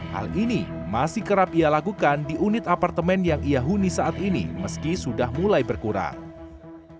hal ini masih kerap ia lakukan di unit apartemen yang ia huni saat ini meski sudah mulai berkurang